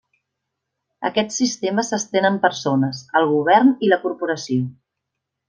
Aquest sistema s'estén amb persones, el govern, i la corporació.